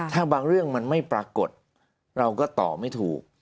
ถ้าบางเรื่องมันไม่ปรากฏเราก็ตอบไม่ถูก